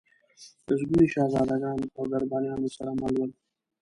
لسګوني شهزادګان او درباریان ورسره مل ول.